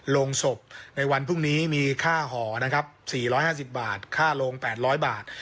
โรงศพในวันพรุ่งนี้มีค่าหอนะครับ๔๕๐บาทค่าโรง๘๐๐บาท